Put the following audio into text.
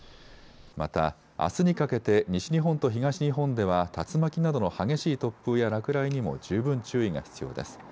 また、あすにかけて西日本と東日本では竜巻などの激しい突風や落雷にも十分注意が必要です。